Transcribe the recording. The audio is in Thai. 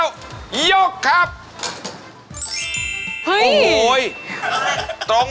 วันที่เธอพบมันใจฉัน